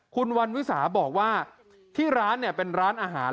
คุณวันวิสาบอกว่าที่ร้านเป็นร้านอาหาร